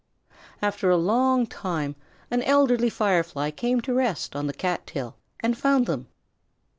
After a long time an elderly Firefly came to rest on the cat tail and found them.